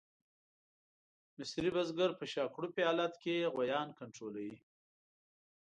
مصري بزګر په شاکړوپي حالت کې غویان کنټرولوي.